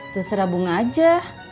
terserah bunga aja